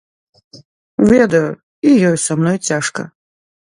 Ведаю, і ёй са мной цяжка.